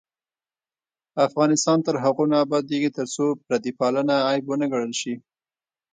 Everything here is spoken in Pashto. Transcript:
افغانستان تر هغو نه ابادیږي، ترڅو پردی پالنه عیب ونه ګڼل شي.